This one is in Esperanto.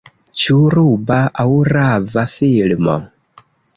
Ĉu ruba aŭ rava filmo?